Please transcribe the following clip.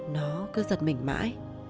nó cứ giật mình mãi